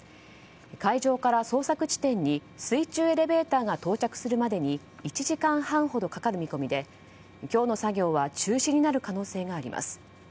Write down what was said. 海上から捜索地点に水中エレベーターが到着するまでに１時間半ほどかかる見込みで今日の作業は中止になる可能性があります。